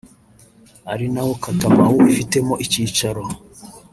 ari na wo Cottamohu ifitemo icyicaro